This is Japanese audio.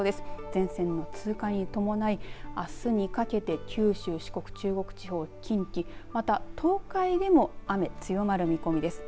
前線の通過に伴いあすにかけて九州、四国、中国地方近畿また東海でも雨、強まる見込みです。